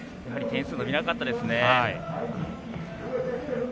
やはり点数伸びなかったですね。